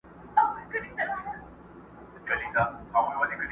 o دښمن څه وايي، چي زړه وايي٫